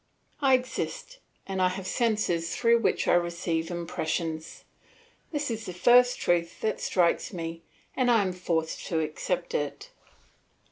I exist, and I have senses through which I receive impressions. This is the first truth that strikes me and I am forced to accept it.